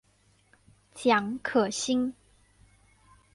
蒋可心。